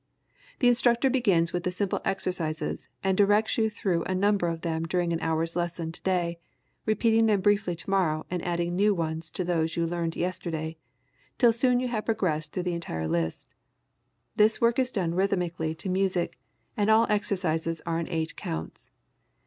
The instructor begins with the simple exercises, and directs you through a number of them during an hour's lesson today, repeating them briefly tomorrow and adding new ones to those you learned yesterday, till soon you have progressed through the entire list. The work is done rhythmically to music, and all exercises are in eight counts.